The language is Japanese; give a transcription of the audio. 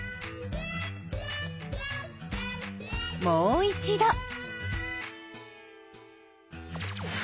もう一度。